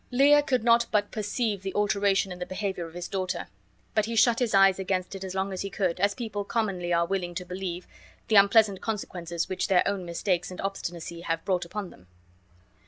Lear could not but perceive this alteration in the behavior of his daughter, but he shut his eyes against it as long as he could, as people commonly are unwilling to believe the unpleasant consequences which their own mistakes and obstinacy have brought upon them.